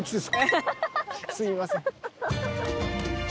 すみません。